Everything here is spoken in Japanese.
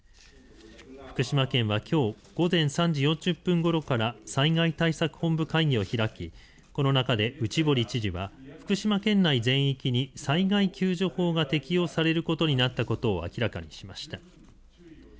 福島県はきょう午前３時４０分ごろから災害対策本部会議を開きこの中で内堀知事は福島県内全域に災害救助法が適用されることになったことを明らかにしました。